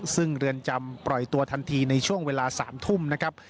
ซึ่งเรือนจำปล่อยตัวทันทีในช่วงเวลา๓ทุ่มนะครับ